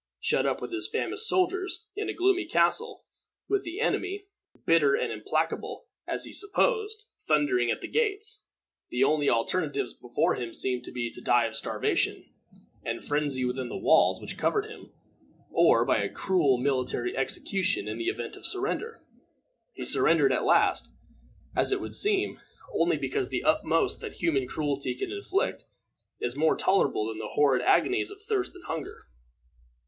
Shut up with his famished soldiers in a gloomy castle, with the enemy, bitter and implacable, as he supposed, thundering at the gates, the only alternatives before him seemed to be to die of starvation and phrensy within the walls which covered him, or by a cruel military execution in the event of surrender. He surrendered at last, as it would seem, only because the utmost that human cruelty can inflict is more tolerable than the horrid agonies of thirst and hunger.